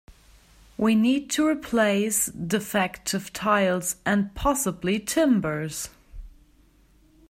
We need to replace defective tiles, and possibly timbers.